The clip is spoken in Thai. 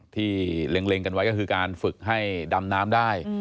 เล็งกันไว้ก็คือการฝึกให้ดำน้ำได้